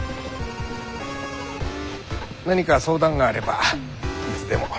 何か相談があればいつでも。